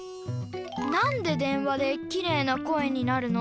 なんで電話でキレイな声になるの？